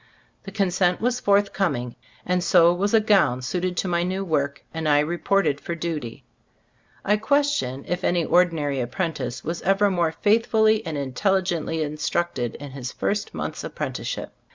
The consent was forthcoming, and so was a gown suited to my new work, and I reported for duty. I question if any ordinary apprentice was ever more faithfully and intelli gently instructed in his first month's 52 Gbe Storg of £b$ Cbllfcboofc apprenticeship.